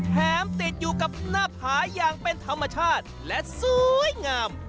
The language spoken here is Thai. ติดอยู่กับหน้าผาอย่างเป็นธรรมชาติและสวยงาม